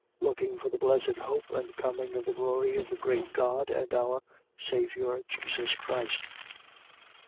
Looking for the blessed hope and coming of the glory of the great God and our Saviour Jesus Christ.